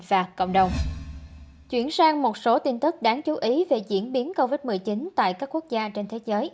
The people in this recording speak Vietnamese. và các bạn